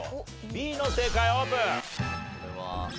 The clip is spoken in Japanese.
Ｂの正解オープン。